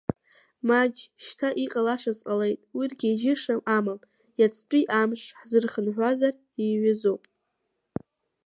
Маџь, шьҭа иҟалашаз ҟалеит уи ргьежьышьа амам, иацтәи амш ҳзырхынҳәуазар иаҩызоуп…